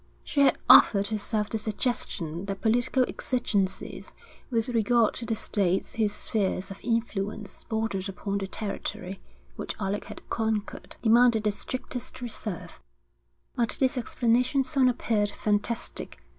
She had offered herself the suggestion that political exigencies with regard to the states whose spheres of influence bordered upon the territory which Alec had conquered, demanded the strictest reserve; but this explanation soon appeared fantastic.